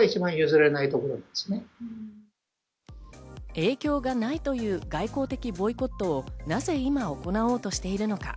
影響がないという外交的ボイコットをなぜ今行おうとしているのか。